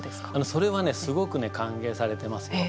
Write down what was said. それはね、すごくね歓迎されてますよ。